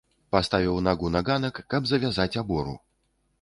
Паставіў нагу на ганак, каб завязаць абору.